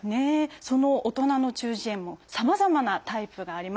その大人の中耳炎もさまざまなタイプがあります。